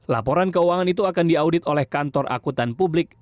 laporan keuangan itu akan diaudit oleh kantor akutan publik